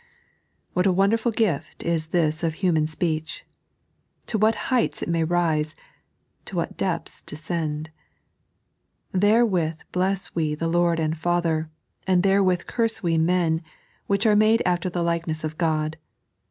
What a wonderful gift is this of human speech. To what heights it may rise, to what depths descend. "There with bless we the Lord and Father, and therewith curse we men, which are made after the likeness of Ood.